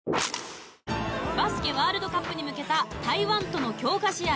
バスケワールドカップに向けた台湾との強化試合